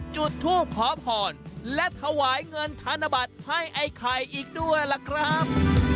จุดทูปขอพรและถวายเงินธนบัตรให้ไอ้ไข่อีกด้วยล่ะครับ